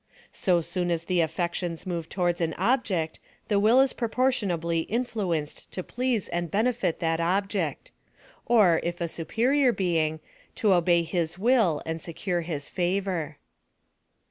So soon as the affections move towards an object, the will is proportionably influenced to please and benefit that object ; or, if a superior being, to obey his will and secure his favor.